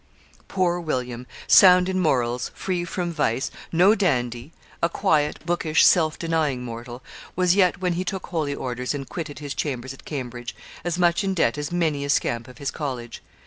Poor William, sound in morals, free from vice, no dandy, a quiet, bookish, self denying mortal, was yet, when he took holy orders and quitted his chambers at Cambridge, as much in debt as many a scamp of his college.